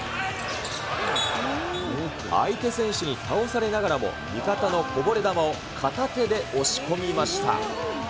相手選手に倒されながらも、味方のこぼれ球を片手で押し込みました。